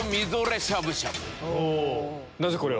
なぜこれを？